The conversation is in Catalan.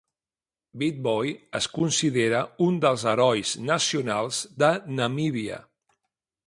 Witboi es considera un dels herois nacionals de Namíbia.